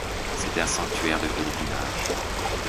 C'est un sanctuaire de pèlerinage.